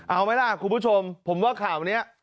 เอาไหมล่ะคุณผู้ชมผมว่าข่าวนี้